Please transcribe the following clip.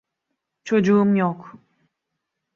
Çocuğum yok.